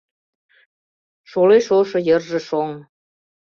Шолеш ошо йырже шоҥ.